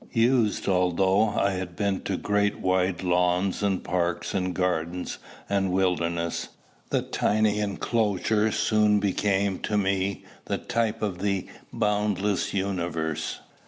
Used although I had been to great wide lawns and park and gardens and wilderness, the tiny enclosure soon became to me the type of the boundless universe.